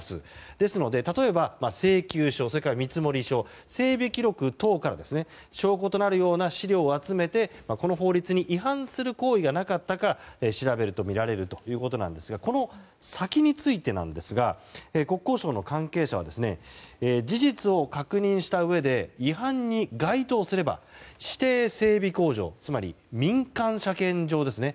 ですので例えば請求書それから見積書整備記録等から証拠となるような資料を集めてこの法律に違反する行為がなかったか調べるとみられるということですがこの先についてですが国交省の関係者は事実を確認したうえで違反に該当すれば指定整備工場つまり民間車検場ですね。